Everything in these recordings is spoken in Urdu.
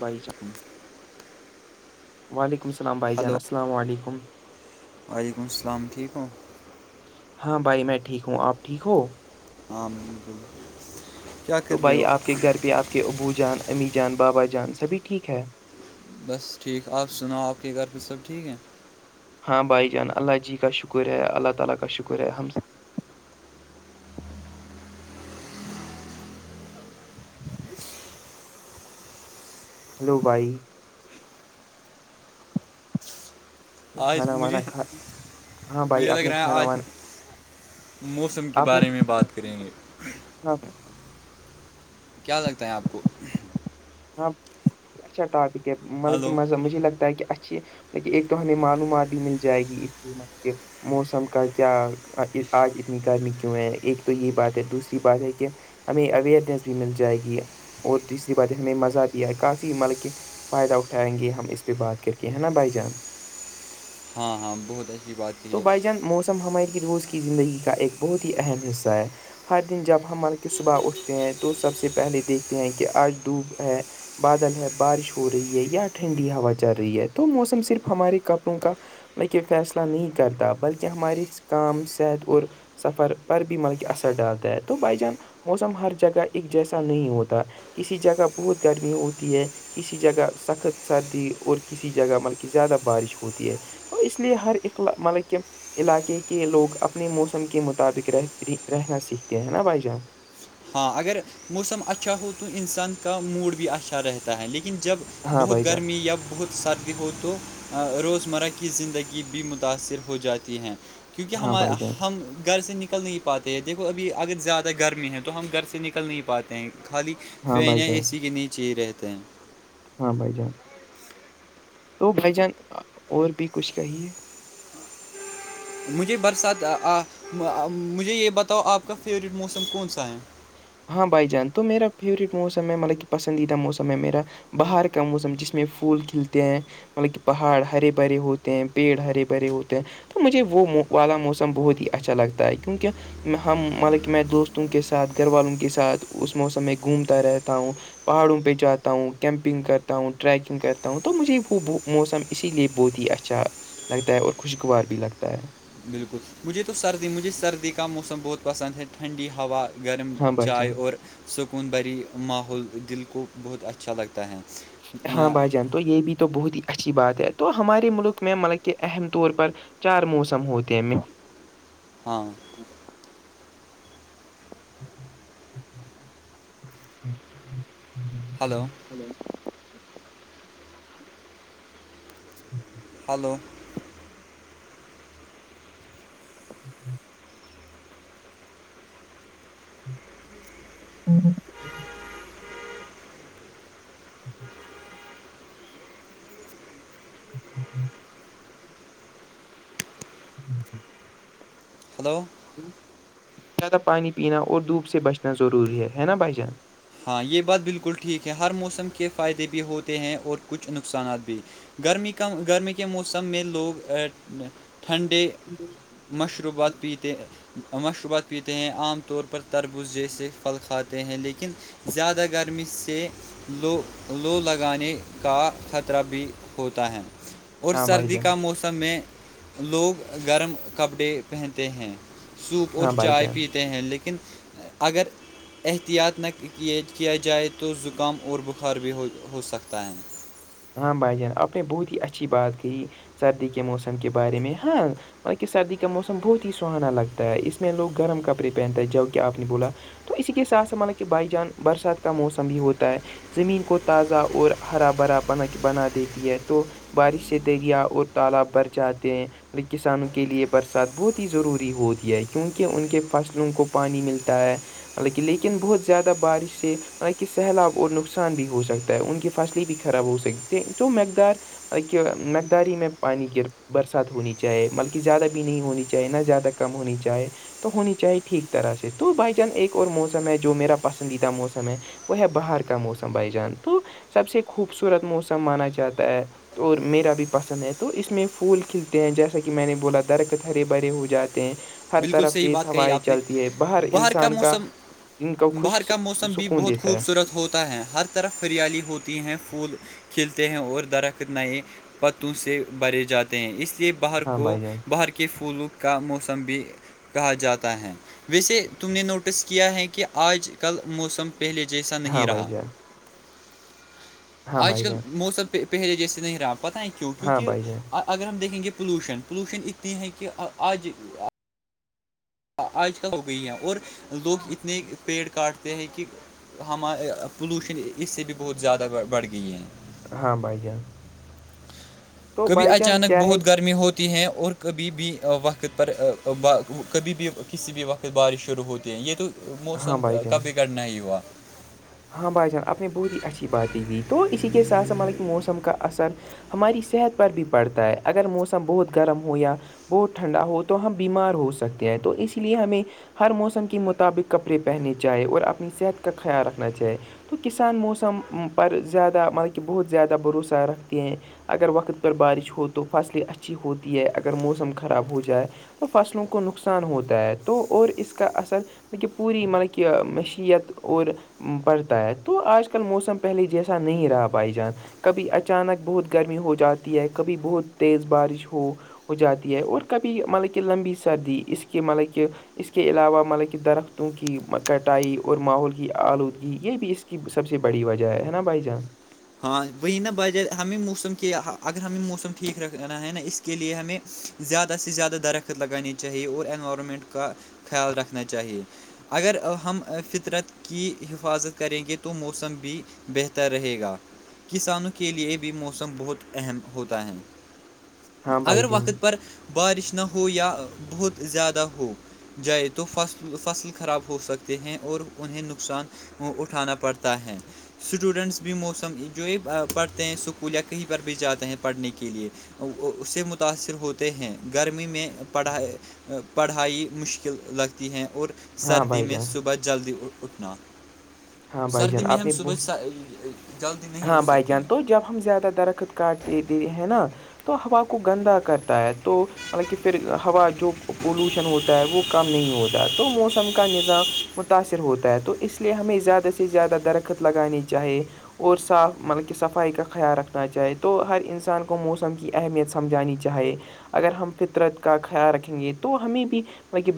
بائی [unintelligible] وعلیکم السلام بھائی جان ہلو السلام علیکم وعلیکم السلام ٹھیک ہو ہاں بھائی میں ٹھیک ہوں آپ ٹھیک ہو عام بالکل کیا تو کر رہے بھائی ہو آپ کے گھر پہ آپ کے ابو جان امی جان بابا جان سبھی ٹھیک ہے بس ٹھیک آپ سناؤ آپ کے گھر پھر سب ٹھیک ہیں ہاں بھائی جان اللہ جی کا شکر ہے اللہ تعالی کا شکر ہے ہم ہلو بھائی آج کھانا وانا مجھے کھا ہاں بھائی مجھے آپ لگ نے رہا ہے کھانا آج وانا موسم کے آپ نے بارے میں بات کریں گے ہاں کیا لگتا ہے آپ کو ہاں اچھا ٹاپک ہے مطلب ہلو مز مجھے لگتا ہے کہچھا ا م ایک تو ہمیں معلومات بھی مل جائے گی اس مطل موسم کا کیا آج اتنی گرمی کیوں ہے ایک تو یہ بات ہے دوسری بات ہے کہ ہمیں اوئرنیس بھی مل جائے گی اور دویسری بات ہے ہمیں مزہ بھی آئے کافی مطلب کہ فائدہ اٹھائیں گے ہم اس پہ بات کر کے ہے نا بھائی جان ہاں ہاں بہت اچھی بات یہ تو ہے بائی جان موسم ہماری روز کی زندگی کا ایک بہت ہی اہم حصہ ہے ہر دن جب ہم مل کے صبح اٹھتے ہیں تو سب سے پہلے دیکھتے ہیں کہ آج ڈوب ہے بادل ہے بارش ہو رہی ہے یا ٹھنڈی ہوا چل رہی ہے تو موسم صرف ہمارے کپڑوں کا بک فیصلہ نہیں کرتا بلکہ ہماری کام صحت اور سفر پر بھی مطلب اثر ڈالتا ہے تو بھائی جان موسم ہر جگہ ایک جیسا نہیں ہوتا کسی جگہ بہت گرمی ہوتی ہے کسی جگہ سخت سردی اور کسی جگہ ملک زیادہ بارش ہوتی ہے تو اس لیے ہر اخلا مطلب کہ علاقے کے لوگ اپنے موسم کے مطابق رہ رہنا سیکھتے ہیں نا بھائی جان ہاں اگر موسم اچھا ہو تو انسان کا موڈ بھی اچھا رہتا ہے لیکن جب ہاں بھائی بہت جان گرمی یا بہت سردی ہو تو روزمرہ کی زندگی بھی متاثر ہو جاتی ہے کیونکہ ہاں ہم بھائی جان ہم گھر سے نکل نہیں پاتے ہیں دیکھو ابھی اگر زیادہ گرمی ہے تو تو ہم گھر سے نکل نہیں پاتے ہیں خالی ہاں فین بھائی یا اے جان سی کے نہیں چاہیے رہتے ہیں ہاں بھ جان تو بھائی جان اور بھی کچھ کہیے مجھے برسات مجھے یہ بتاؤ آپ کا فیوریٹ موسم کون سا ہے ہاں بھائی جان تو میرا فیوریٹ موسم ہے مطلب کہ پسندیدہ موسم ہے میرا باہر کا موسم جس میں پھول کھلتے ہیں مطلب کہ پہاڑ ہرے بھرے ہوتے ہیں پیڑ ہرے بھرے ہوتے ہیں تو مجھے وہ والا موسم بہت ہی اچھا لگتا ہے کیونکہ ہم ملب کہ میں دوستوں کے ساتھ گھر والوں کے ساتھ اس موسم میں گھومتا رہتا ہوں پہاڑوں پہ جاتا ہوں کیمپنگ کرتا ہوں ٹریکنگ کرتا ہوں تو مجھے وہ موسم اسی لیے بہت ہی اچھا لگتا ہے اور خوشگوار بھی لگتا ہے بالکل مجھے تو سردی مجھے سردی کا موسم بہت پسند ہے ٹھنڈی ہوا گرم ہاں بھائی چائے جان اور سکون بری ماحول دل کو بہت اچھا لگتا ہے ہاں میں بھائی جان تو یہ بھی تو بہت ہی اچھی بات ہے تو ہمارے ملک میں مطلب کہ اہم طور پر چار موسم ہوتے ہیں ہاں اچ ہلو ہلو ہلو [unintelligible] ہوں [unintelligible] جی جی ہلو زیادہ پانی پینا اور دھوپ سے بچنا ضروری ہے ہے نا بھائی جان ہاں یہ بات بالکل ٹھیک ہے ہر موسم کے فائدے بھی ہوتے ہیں اور کچھ نقصانات بھی گرمی کام گرمی کے موسم میں لوگ ٹھنڈے ج جی مشروبات پیتےے مشروبات پیتے ہیں عام طور پر تربوز جیسے پھل کھاتے ہیں لیکن زیادہ گرمی سے لو لو لگانے کا خطرہ بھی ہوتا ہے اور ہاں بھائی سردی جان کا موسم میں لوگ گرم کپڑے پہنتے ہیں سوپ اور ہاں بھائی چائے جان پیتے ہیں لیکن اگر احتیاط نہ یہ کیا جائے تو زکام اور بخار بھی ہو ہو سکتا ہے ہاں بھائی جان آپ نے بہت ہی اچھی بات کہ سردی کے موسم کے بارے میں ہاں مط کہ سردی کا موسم بہت ہی سہانا لگتا ہے اس میں لوگ گرم کپڑے پہنتے ہے جب کہ آپ نے بولا تو اسی کے ساتھ سبھال کہ بھائی جان برسات کا موسم بھی ہوتا ہے زمین کو تازہ اور ہرا بھرا بنا بنا دیتی ہے تو بارش سے دریا اور تالاب بھر جاتے ہیں کسانوں کے لیے برسات بہت ہی ضروری ہوتی ہے کیونکہ ان کے فصلوں کو پانی ملتا ہے لیکن بہت زیادہ بارش سے مطلب کہ سیلاب اور نقصان بھی ہو سکتا ہے ان کی فصلیں بھی خراب ہو سکتے تو مقدار ایک مقدار ہی میں پانی گر برسات ہونی چاہیے بلکہ زیادہ بھی نہیں ہونی چاہیے نہ زیادہ کم ہونی چاہے تو ہونی چاہیے ٹھیک طرح سے تو بھائی جان ایک اور موسم ہے جو میرا پسندیدہ موسم ہے وہ ہے باہر کا موسم بائی جان تو سب سے خوبصورت موسم مانا جاتا ہے اور میرا بھی پسند ہے تو اس میں پھول کھلتے ہیں جیسا کہ میں نے بولا درخت ہرے بھرے ہو جاتے ہیں ہر بالکل طرف صحیح تیز بات کہی ہوائیں آپ نے چلتی ہے باہر انسان کا جن کو باہر خشک کا موسم بھی سکون بہت دیتا ہے خوبصورت ہوتا ہے ہر طرف ہریالی ہوتی ہیں پھول کھیلتے ہیں اور درخت نئے پتوں سے بھرے جاتے ہیں اس لیے باہر ہاں کو بھائی جان باہر کے پھولوں کا موسم بھی کہا جاتا ہے ویسے تم نے نوٹس کیا ہے کہ آج کل موسم پہلے جیسا نہیں ہاں بھائی رہا جان ہاں آج بھائی کل جان موسمہ پہلے جیسے نہیں رہا پتہ ہے کیوں ہاں کیونکہ بھائی جان اگر ہم دیکھیں گے پولوشن پولوشن اتنی ہے کہ آج آج کل ہو گئی ہیں اور لوگ اتنے پیڑ کاٹ یہ ہے کہ ہمار پولوشن اس سے بھی بہت زیادہ بڑھ گئی ہے ہاں بھائی جان تو کبھی بھائی جان اچانک کیا ہے بہت گرمی ہوتی ہیں اور کبھی بھی وقت پر کبھی بھی کسی بھی وقت بارش شروع ہوتی ہیں یہ تو ہاں موسم بھائی جان کبھی کٹھنا ہی ہوا ہاں بھائی جان آپ نے بہت ہی اچھی باتیں کی تو اسی کے ساتھ س مطلب کہ موسم کا اثر ہماری صحت پر بھی پڑتا ہے اگر موسم بہت گرم ہو یا بہت ٹھنڈا ہو تو ہم بیمار ہو سکتے ہیں تو اس لیے ہمیں ہر موسم کے مطابق کپڑے پہننے چاہیں اور اپنی صحت کا خیال رکھنا چاہے تو کسان موسم پر زیادہ مطلب کہ بہت زیادہ بھروسہ رکھتے ہیں اگر وقت پر بارش ہو تو فصلیں اچھی ہوتی ہے اگر موسم خراب ہو جائے تو فصلوں کو نقصان ہوتا ہے تو اور اس کا اثر پوری مطلب کہ م میں چ ت [unintelligible] اور پڑتا ہے تو آج کل موسم پہلے جیسا نہیں رہا بائی جان کبھی اچانک بہت گرمی ہو جاتی ہے کبھی بہت تیز بارش ہو ہو جاتی ہے اور کبھی مطلب کہ لمبی سردی اس کی مطلب کہ اس کے علاوہ ملک درختوں کی کٹائی اور ماحول آلودگی یہ بھی اس کی سب سے بڑی وجہ ہے نا بھائی جان ہاں وہی نا بجائے ہمیں موسم کے اگر ہمیں موسم ٹھیک رکھنا ہے نا اس [unintelligible] کے لیے ہمیں زیادہ سے زیادہ درخت لگانی چاہیے اور انوائرمنٹ کا خیال رکھنا چاہیے اگر ہم فطرت کی حفاظت کریں گے تو موسم بھی بہتر رہے گا کسانوں کے لیے بھی موسم بہت اہم ہوتا ہے ہاں بھائی اگر جان وقت پر بارش نہ ہو یا بہت زیادہ ہو جائے تو فصل فصل خراب ہو سکتے ہیں اور انہیں نقصان اٹھانا پڑتا ہے اسٹوڈنٹس بھی موسم جو یہ پڑھتے ہیں اسکول یا کہیں پر بھی جاتے ہیں پڑھنے کے لیے اس سے متاثر ہوتے ہیں گرمی میں پڑھائی پڑھائی مشکل لگتی ہیں اور ہاں سردی بھائی میں جان صبح جلدی اٹھنا ہاں بھائی سردی جان میں آپ ہم نے صب بہت جلد [unintelligible] ہاں بائی جان تو جب ہم زیادہ درخت کاٹ دیےتے ہیں نا تو ہوا کو گندا کرتا ہے تو مطلب کہ پھر ہوا جو پولوشن ہوتا ہے وہ کم نہیں ہوتا ہے تو موسم کا نظام متاثر ہوتا ہے تو اس لیے ہمیں زیادہ سے زیادہ درخت لگانی چاہے اور صاف مطلب کہ صفائی کا خیال رکھنا چاہے تو ہر انسان کو موسم کی اہمیت سمجھانی چاہیے اگر ہم فطرت کا خیال رکھیں گے تو ہمیں بھی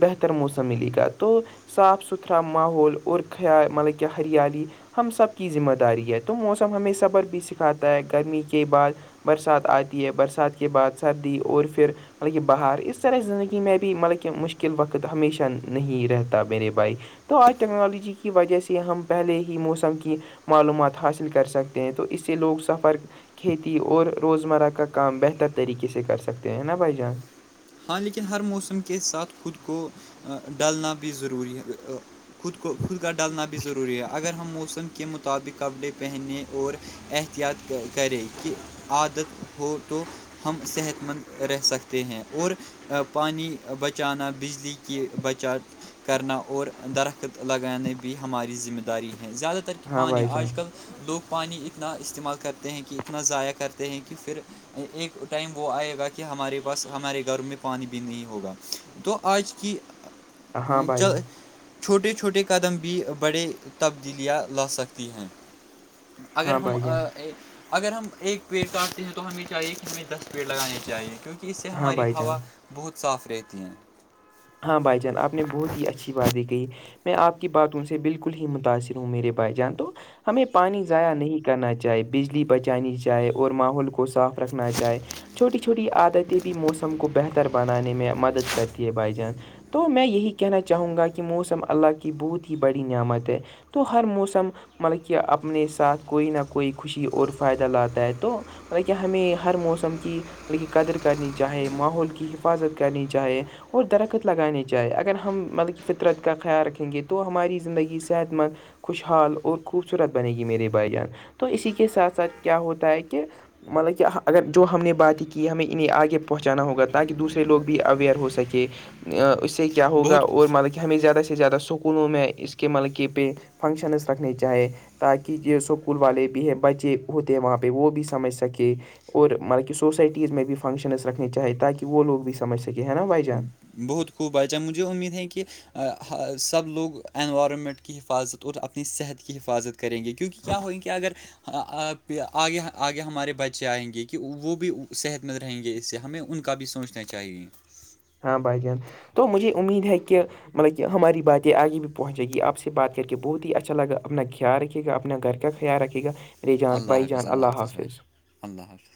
بہتر موسم ملے گا تو صاف ستھرا ماحول اور خیا مطلب کہ ہریالیی ہم سب کی ذمہ داری ہے تو موسم ہمیں صبر بھی سکھاتا ہے گرمی کے بعد برسات آتی ہے برسات کے بعد سردی اور پھر مطلب کہ باہر اس طرح کی زندگی میں بھی مطلب کہ مشکل وقت ہمیشہ نہیں رہتا میرے بھائی تو آج ٹیکنالوجی کی وجہ سے ہم پہلے ہی موسم کی معلومات حاصل کر سکتے ہیں تو اس سے لوگ سفر کھیتی اور روزمرہ کا کام بہتر طریقے سے کر سکتے ہیں نا بھائی جان ہاں لیکن ہر موسم کے ساتھ خود کو ڈالنا بھی ضروری ہے خود کو خود کا ڈالنا بھی ضروری ہے اگر موسم کے مطابق کپڑے پہننے اور احتیاط کریں کہ عادت ہو تو ہم صحت مند رہ سکتے ہیں اور پانی بچانا بجلی کی بچت کرنا اور درخت لگانے بھی ہماری ذمہ داری ہیں زیادہ تر کہ ہاں پانی بھائی جان آج کل لوگ پانی اتنا استعمال کرتے ہیں کہ اتنا ضائع کرتے ہیں کہ پھر ایک ٹائم وہ آئے گا کہ ہمارے پاس ہمارے گرم میں پانی بھی نہیں ہوگا تو آج کی ہاں بھائی چھوٹے چھوٹے قدم بھی بڑے تبدیلیاں لا سکتی ہیں اگر ہاں ہم بھائی جان اگر ہم ایک پیڑ کاٹتے ہیں تو ہمیں چاہیے کہ ہمیں دس پیڑ لگانے چاہیے کیونکہ اس سے ہاں ہماری بھائی جان ہوا بہت صاف رہتی ہیں ہاں بھائی جان آپ نے بہت ہی اچھی باتیں کہی میں آپ کی بات ان سے بالکل ہی متاثر ہوں میرے بھائی جان تو ہمیں پانی ضائع نہیں کرنا چاہے بجلی بچانی چاہے اور ماحول کو صاف رکھنا چاہے چھوٹی چھوٹی عادتیں بھی موسم کو بہتر بنانے میں مدد کرتی ہے بائیج تو میں یہی کہنا چاہوں گا کہ موسم اللہ کی بہت ہی بڑی نعمت ہے تو ہر موسم مطلب کہ اپنے ساتھ کوئی نہ کوئی خوشی اور فائدہ لاتا ہے تو مطلب کہ ہمیں ہر موسم کی کی قدر کرنی چاہے ماحول کی حفاظت کرنی چاہے اور درخت لگانانی چاہیے اگر ہم مطلب کہ فطرت کا خیال رکھیں گے تو ہماری زندگی صحت مند خوشحال اور خوبصورت بنے گی میرے بھائی جان تو اسی کے ساتھ ساتھ کیا ہوتا ہے کہ مطلب کہ اگر جو ہم نے باتیں کی ہمیں انہیں آگے پہنچانا ہوگا تاکہ دوسرے لوگ بھی اویئر ہو سکے اس سے کیا ہوگا بہت اور مطلب کہ کہ ہمیں زیادہ سے زیادہ سکولوں میں اس کے ملکے پہ فنکشنز رکھنے چاہے تاکہ جو اسکول والے بھی ہے بچے ہوتے ہیں وہاں پہ وہ بھی سمجھ سکے اور مطلب کہ سوسائٹیز میں بھی فنکشنز رکھنی چاہے تاکہ وہ لوگ بھی سمجھ سکیں ہیں نا بھائی جان بہت خوب آچا مجھے امید ہے کہ سب لوگ انوائرمنٹ کی حفاظت اور اپنی صحت کی حفاظت کریں گے کیونکہ کیا ہوئیں گے اگر آگے آگے ہمارے بچے آئیں گے کہ وہ بھی صحت مند رہیں گے اس سے ہمیں ان کا بھی سوچ نے چاہیے ہاں بھائی جان تو مجھے امید ہے کہ مطلب کہ ہماری باتیں آگے بھی پہنچ جیں گی آپ سے بات کر کے بہت ہی اچھا لگا اپنا خیال رکے گا اپنا گھر کا خل رکے گا میری جان بھائی جان اللہ حافظ فلہہف